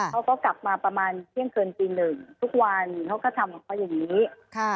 เขาก็กลับมาประมาณเที่ยงคืนตีหนึ่งทุกวันเขาก็ทำของเขาอย่างนี้ค่ะ